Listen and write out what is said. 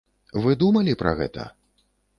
Вы думалі пра гэта?